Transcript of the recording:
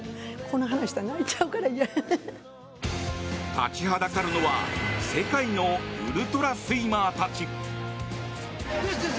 立ちはだかるのは世界のウルトラスイマーたち。